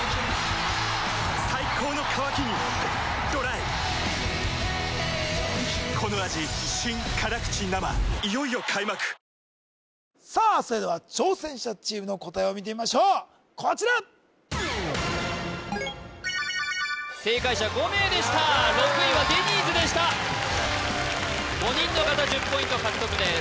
最高の渇きにＤＲＹさあそれでは挑戦者チームの答えを見てみましょうこちら正解者５名でした６位はデニーズでした５人の方１０ポイント獲得です